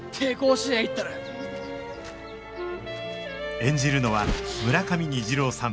演じるのは村上虹郎さん